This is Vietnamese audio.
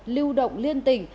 lưu động liên tình